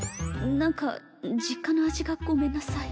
何か実家の味がごめんなさい